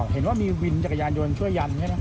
เห็นว่ามีวินจักรยานยนต์ช่วยยันใช่ไหม